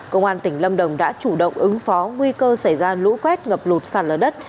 công an tỉnh lâm đồng đã chủ động ứng phó nguy cơ xảy ra lũ quét ngập lụt sạt lở đất